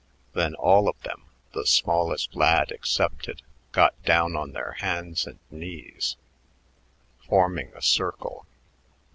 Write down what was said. Then all of them, the smallest lad excepted, got down on their hands and knees, forming a circle.